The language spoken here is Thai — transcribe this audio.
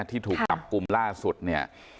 ที่ถูกจับกลุ่มล่าสุดเนี่ย